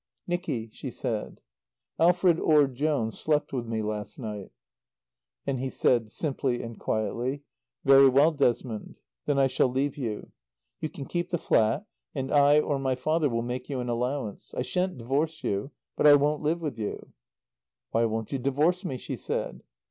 "Nicky," she said, "Alfred Orde Jones slept with me last night." And he said, simply and quietly, "Very well, Desmond; then I shall leave you. You can keep the flat, and I or my father will make you an allowance. I shan't divorce you, but I won't live with you." "Why won't you divorce me?" she said.